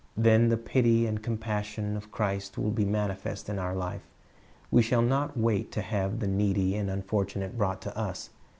Then the pity and compassion of Christ will be manifest in our life. W'c shall not wait to have the needy and unfortunate brought to us.